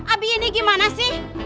abik ini gimana sih